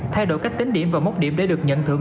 thay đổi cách tính điểm và mốc điểm để được nhận thưởng